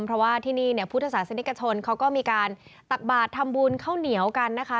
เพราะว่าที่นี่พุทธศาสตร์เศรษฐกชนเขาก็มีการตักบาททำบุญเข้าเหนียวกันนะคะ